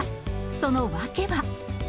その訳は。